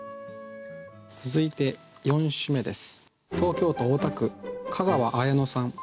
続いて４首目です。